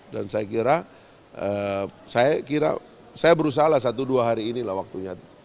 dan saya kira saya berusaha satu dua hari inilah waktunya